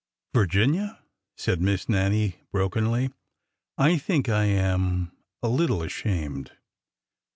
" Virginia," said Miss Nannie, brokenly, " I think— I am— a little ashamed."